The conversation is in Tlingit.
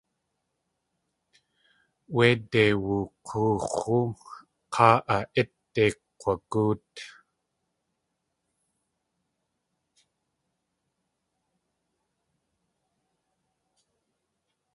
Wéide wook̲oox̲u káa a ítde kk̲wagóot.